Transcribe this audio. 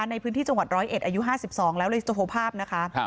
ในพื้นที่จังหวัด๑๐๑อายุ๕๒แล้วเลยจะโพสต์ภาพนะคะ